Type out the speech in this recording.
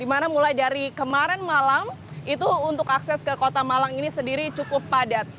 dimana mulai dari kemarin malam itu untuk akses ke kota malang ini sendiri cukup padat